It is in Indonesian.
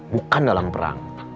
bukan dalam perang